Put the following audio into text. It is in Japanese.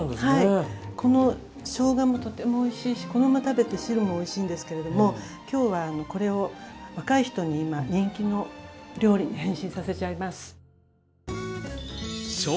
はいこのしょうがもとてもおいしいしこのまま食べて汁もおいしいんですけれども今日はこれを若い人に今人気の料理に変身させちゃいます！